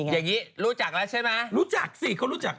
อย่างงี้รู้จักแล้วใช่ไหม